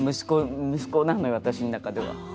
息子なのよ、私の中では。